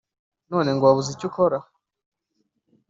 none ngo wabuze icyukora,